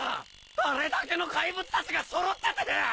あれだけの怪物たちが揃ってて